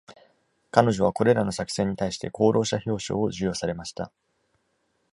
彼女は、これらの作戦に対して功労者表彰を授与されました。